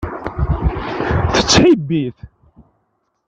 Tettḥibbi-t.